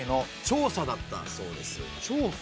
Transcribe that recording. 調査？